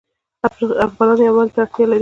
افغانان یووالي ته اړتیا لري.